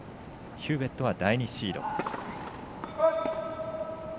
ヒューウェットは第２シード。